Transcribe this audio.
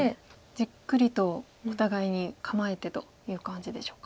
じっくりとお互いに構えてという感じでしょうか。